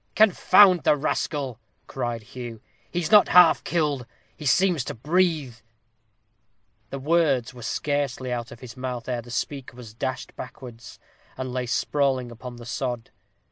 "Confound the rascal!" cried Hugh, "he's not half killed; he seems to breathe." The words were scarcely out of his mouth ere the speaker was dashed backwards, and lay sprawling upon the sod.